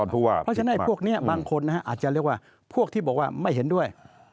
เพราะฉะนั้นพวกนี้บางคนอาจจะเรียกว่าพวกที่บอกว่าไม่เห็นด้วย